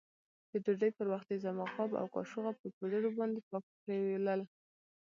د ډوډۍ پر وخت يې زما غاب او کاشوغه په پوډرو باندې پاک پرېولل.